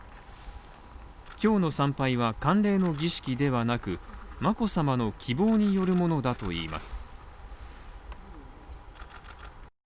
今日の参拝は慣例の儀式ではなく、眞子さまの希望によるものだといいます。